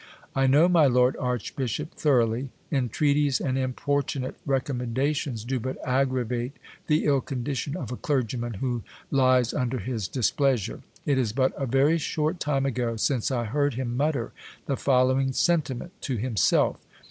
I know my lord archbishop thoroughly : entreaties and impor tunate recommendations do but aggravate the ill condition of a clergyman who lies under his displeasure : it is but a very short time ago since I heard him mutter the following sentiment to himself.